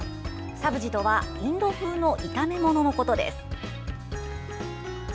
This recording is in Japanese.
サブジとはインド風の炒め物のことです。